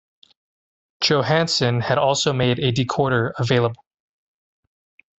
Johansen had also made a decoder available.